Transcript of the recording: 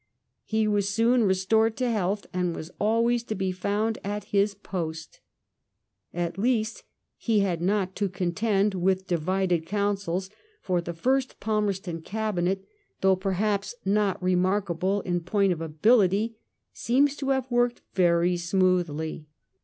He was soon restored to health, and was always to be found at his post. At least, he had not to contend with divided counsels, for the first Palmerston Cabinet, though per liaps not remarkable in point of ability, seems to have ivorked very smoothly.